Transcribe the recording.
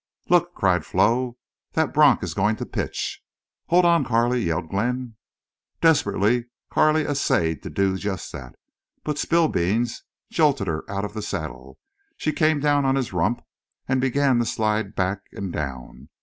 "Look!" cried Flo. "That bronc is going to pitch." "Hold on, Carley!" yelled Glenn. Desperately Carley essayed to do just that. But Spillbeans jolted her out of the saddle. She came down on his rump and began to slide back and down.